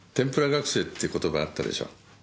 学生って言葉あったでしょ。